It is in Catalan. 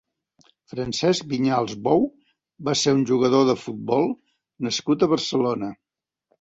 Francesc Vinyals Bou va ser un jugador de futbol nascut a Barcelona.